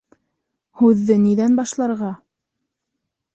Һүҙҙе ниҙән башларға?